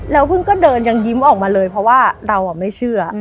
แล้วพึ่งก็เดินยังยิ้มออกมาเลยเพราะว่าเราไม่เชื่อ